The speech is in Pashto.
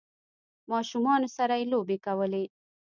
ماشومانو سره یی لوبې کولې